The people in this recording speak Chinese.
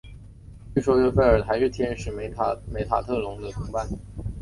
据说约斐尔还是天使梅塔特隆的同伴。